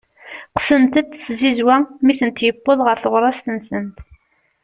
Qqsent-t tzizwa mi tent-yewweḍ ɣer teɣrast-nsent.